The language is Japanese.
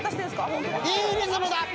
いいリズムだ。